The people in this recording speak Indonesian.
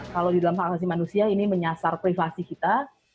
kalau di dalam hak asasi manusia ini menyasar privasi kita